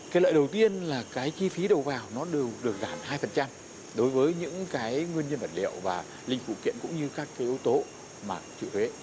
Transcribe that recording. cái lợi đầu tiên là cái chi phí đầu vào nó đều được giảm hai đối với những cái nguyên nhân vật liệu và linh phụ kiện cũng như các cái yếu tố mà chịu thuế